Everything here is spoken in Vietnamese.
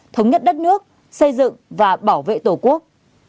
thống nhất đất nước xây dựng và bảo vệ tổ quốc